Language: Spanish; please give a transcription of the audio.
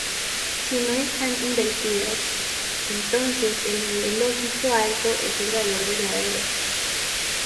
Si no están invertidas, entonces el nivel lógico alto es el valor verdadero.